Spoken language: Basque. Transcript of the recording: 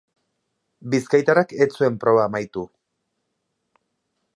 Bizkaitarrak ez zuen proba amaitu.